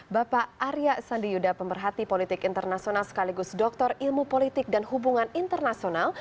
bapak arya sandiuda pemberhati politik internasional sekaligus doktor ilmu politik dan hubungan internasional